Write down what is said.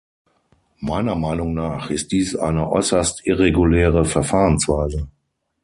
Meiner Meinung nach ist dies eine äußerst irreguläre Verfahrensweise.